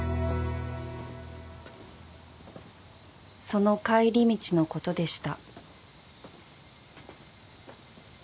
［その帰り道のことでした］